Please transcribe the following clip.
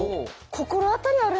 心当たりある？